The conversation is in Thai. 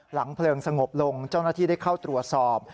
เพลิงสงบลงเจ้าหน้าที่ได้เข้าตรวจสอบ